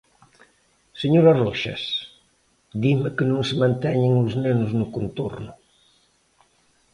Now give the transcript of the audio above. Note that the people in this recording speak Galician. Señora Roxas, dime que non se manteñen os nenos no contorno.